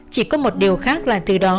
chỉ có một điều khác là từ đó